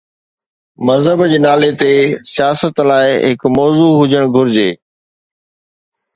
مذهب جي نالي تي سياست لاءِ هڪ موضوع هجڻ گهرجي.